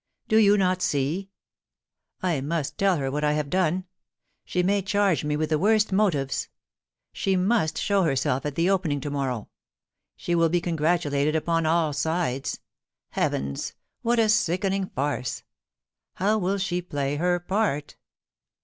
Do you not see ? I must tell her what I have done ; she may charge me with the worst motives. She must show herself at the Opening to morrow. She will be congratulated upon all sides. Heavens ! what a sickening farce ! How will she play her part